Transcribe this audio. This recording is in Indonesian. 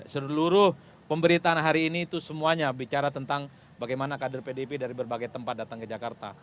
seluruh pemberitaan hari ini itu semuanya bicara tentang bagaimana kader pdip dari berbagai tempat datang ke jakarta